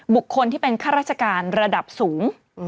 บุคคลที่เป็นข้าราชการระดับสูง